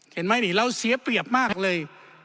เห็นไหมนี่เราเสียเปรียบมากเลย